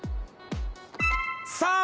さあ